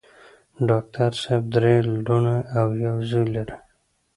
ډاکټر صېب درې لوڼه او يو زوے لري